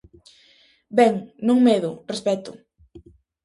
Ben, non medo, respecto.